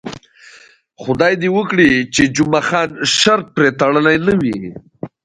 خدای دې وکړي چې جمعه خان شرط پرې تړلی نه وي.